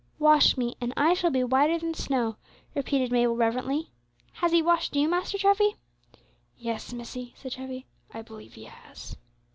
"Wash me, and I shall be whiter than snow," repeated Mabel reverently. "Has He washed you, Master Treffy?" "Yes, missie," said Treffy, "I believe He has."